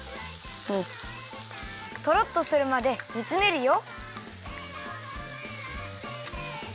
トロッとするまでにつめるよ。